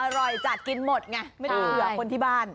อร่อยจัดกินหมดไงไม่ได้เผื่อคนที่บ้าน